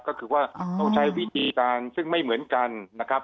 ก็คือว่าต้องใช้วิธีการซึ่งไม่เหมือนกันนะครับ